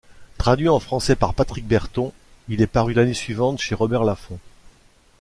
Traduit en français par Patrick Berthon, il est paru l'année suivante chez Robert Laffont.